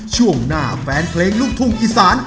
ช่วงหน้าแฟนเพลงลูกทุ่งอีสาน